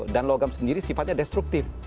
dan logam sendiri sifatnya destruktif